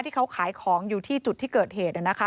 ที่เขาขายของอยู่ที่จุดที่เกิดเหตุ